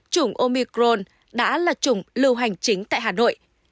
chủng omicron đã là chủng lưu hành chính tại hà nội